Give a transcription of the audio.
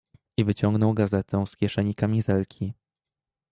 "I wyciągnął gazetę z kieszeni kamizelki."